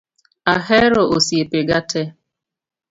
Ahero osiepe ga te